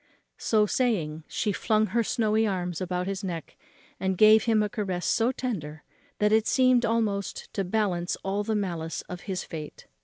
So saying, she flung her snowy arms about his neck, and gave him a caress so tender, that it seemed almost to balance all the malice of his fate.